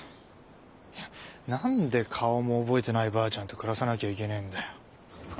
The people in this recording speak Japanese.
いやなんで顔も覚えてないばあちゃんと暮らさなきゃいけねえんだよ。